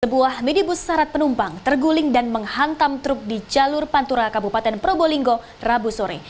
sebuah minibus syarat penumpang terguling dan menghantam truk di jalur pantura kabupaten probolinggo rabu sore